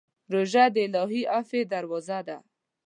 روژه د الهي عفوې دروازه ده.